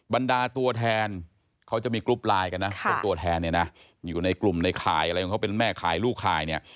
บรรดาตัวแทนเขาจะมีกรุ๊ปไลน์กันนะเป็นตัวแทนเนี่ยนะอยู่ในกลุ่มในข่ายอะไรของเขาเป็นแม่ขายลูกข่ายเนี่ย